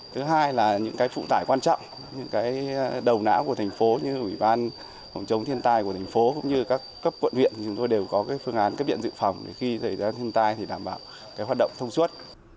thứ hai là những phụ tải quan trọng những đầu nã của thành phố như ủy ban phòng chống thiên tai của thành phố cũng như các cấp quận huyện chúng tôi đều có phương án cấp điện dự phòng để khi xảy ra thiên tai thì đảm bảo hoạt động thông suốt